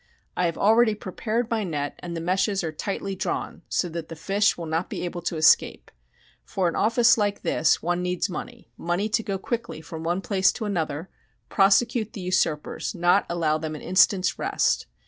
"I have already prepared my net and the meshes are tightly drawn so that the fish will not be able to escape.... For an office like this one needs money money to go quickly from one place to another, prosecute the usurpers, not allow them an instant's rest.